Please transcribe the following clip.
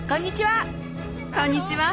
こんにちは！